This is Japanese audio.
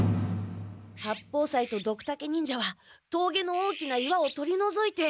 八方斎とドクタケ忍者はとうげの大きな岩を取りのぞいて。